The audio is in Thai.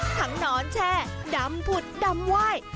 นอนแช่ดำผุดดำไหว้